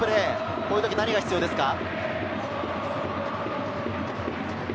こういう時、何が必要ですか？